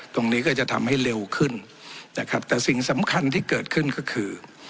ตรงนี้ก็จะทำให้เร็วขึ้นนะครับแต่สิ่งสำคัญที่เกิดขึ้นก็คือ